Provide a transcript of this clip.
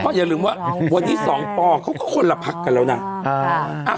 อย่าลืมว่าวันนี้สองปเขาก็คนละพักกันแล้วนะ